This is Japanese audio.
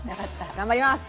頑張ります！